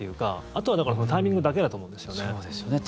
あとはタイミングだけだと思うんですよね。